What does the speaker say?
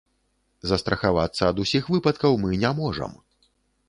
Застрахавацца ад усіх выпадкаў мы не можам.